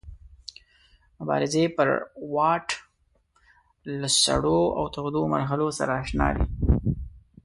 مبارزې پر واټ له سړو او تودو مرحلو سره اشنا دی.